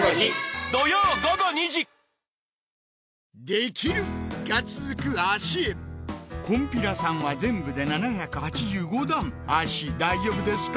できる！が続く脚へこんぴらさんは全部で７８５段脚大丈夫ですか？